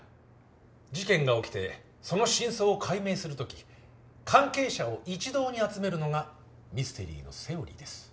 事件が起きてその真相を解明するとき関係者を一堂に集めるのがミステリーのセオリーです。